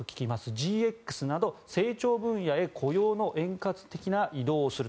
ＧＸなど成長分野へ雇用の円滑な移動をすると。